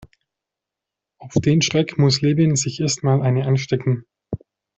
Auf den Schreck muss Levin sich erst mal eine anstecken.